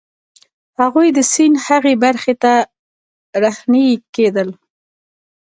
هغوی د سیند هغې برخې ته رهنيي کېدل.